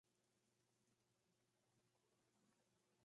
La entrada a las peñas es gratuita.